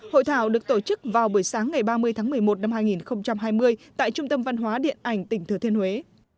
hội thảo được tổ chức vào buổi sáng ngày ba mươi tháng một mươi một năm hai nghìn hai mươi tại trung tâm văn hóa điện ảnh tỉnh thừa thiên huế